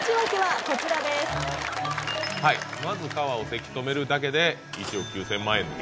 まず川をせき止めるだけで１億９０００万円も。